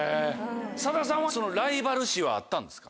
佐田さんはライバル視はあったんですか？